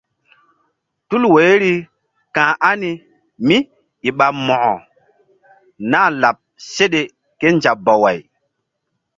Tul woiri ka̧h ani kémíi ɓa Mo̧ko nah láɓ seɗe kézabaway.